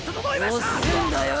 おっせェんだよ！